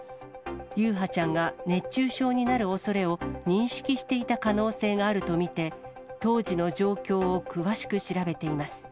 優陽ちゃんが熱中症になるおそれを認識していた可能性があると見て、当時の状況を詳しく調べています。